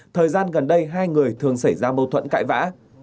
thời gian gần đây hai người thường xảy ra mâu thuẫn cãi vã